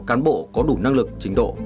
cán bộ có đủ năng lực trình độ